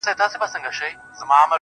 ښکلا په اړه د حمزه فکر بیانول